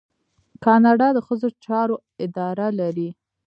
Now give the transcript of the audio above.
کاناډا د ښځو چارو اداره لري.